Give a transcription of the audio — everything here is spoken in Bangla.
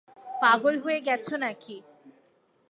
পাগল হয়ে গেছ নাকি?